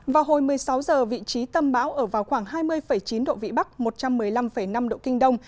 vào hồi một mươi sáu h vị trí tâm bão ở vào khoảng hai mươi chín độ vĩ bắc một trăm một mươi năm năm độ kinh đông